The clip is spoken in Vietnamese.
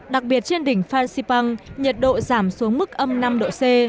đặc biệt trên đỉnh phan xipang nhiệt độ giảm xuống mức âm năm độ c